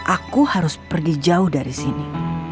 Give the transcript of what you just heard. aku harus pergi jauh dari sini